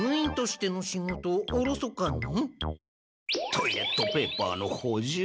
トイレットペーパーのほじゅう！